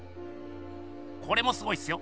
これもすごいっすよ！